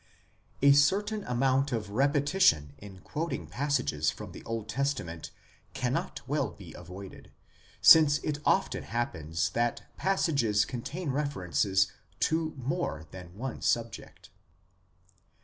A certain amount of repetition in quoting passages from the Old Testament cannot well be avoided, since it often happens that passages contain references to more than one subject.